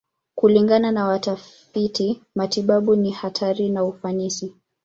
Kulingana na watafiti matibabu, ni hatari na ufanisi.